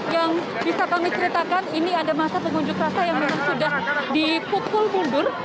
yang bisa kami ceritakan ini ada masa pengunjuk rasa yang memang sudah dipukul mundur